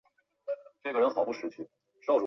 瑞秋宣称他最喜欢的电影是大片危险关系。